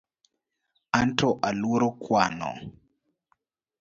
Anto aluoro kuano